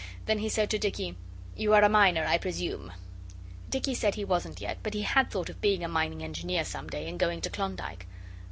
Then he said to Dicky 'You are a minor, I presume?' Dicky said he wasn't yet, but he had thought of being a mining engineer some day, and going to Klondike.